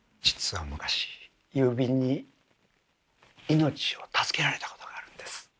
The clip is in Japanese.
実は昔郵便に命を助けられたことがあるんです。